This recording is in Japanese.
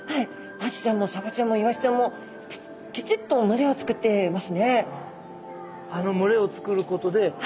アジちゃんもサバちゃんもイワシちゃんもきちっと群れをつくってますね。